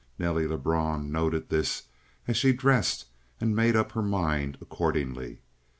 Nelly Lebrun noted this as she dressed and made up her mind accordingly.